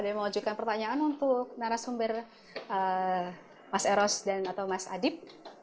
ada yang mau ajukan pertanyaan untuk narasumber mas eros dan atau mas adib